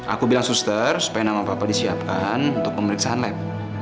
aku bilang suster supaya nama papa disiapkan untuk pemeriksaan lab